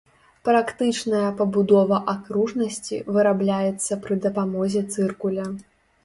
Практычная пабудова акружнасці вырабляецца пры дапамозе цыркуля.